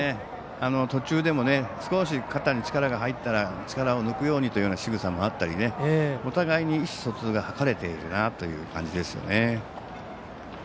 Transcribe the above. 途中でも、少し肩に力が入ったら力を抜くようにという仕草があったりねお互いに意思疎通が図れているなという感じですね。